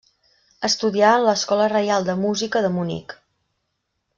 Estudià en l'Escola reial de Música de Munic.